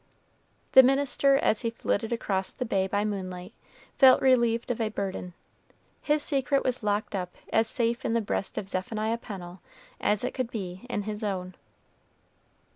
The minister, as he flitted across the bay by moonlight, felt relieved of a burden. His secret was locked up as safe in the breast of Zephaniah Pennel as it could be in his own.